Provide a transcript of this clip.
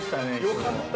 ◆よかった！